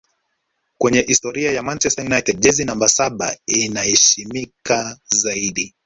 Kwenye historia ya manchester united jezi namba saba inaheshimika zaidi